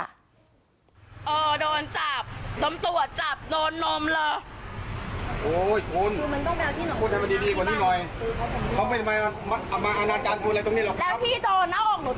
ที่รายพยายามให้ผิดหรอกว่าเขาก็ไม่อยากยุ่งกับตำรวจเหมือนกัน